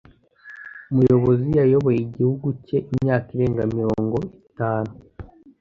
Umuyobozi yayoboye igihugu cye imyaka irenga mmirongo itanu